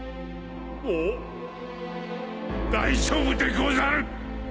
もう大丈夫でござる。